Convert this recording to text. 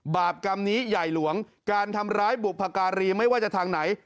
บาปกรรมนี้ใหญ่หลวงการทำร้ายบุพการีไม่ว่าจะทางไหน